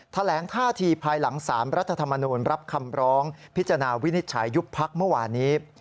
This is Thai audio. แถลงท่าทีภายหลัง๓รัฐธรรมนูลรับคำร้องพิจารณาวินิจฉัยยุบพักเมื่อวานี้